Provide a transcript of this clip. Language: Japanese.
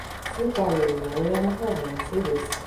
スーパーより八百屋のほうが安いです。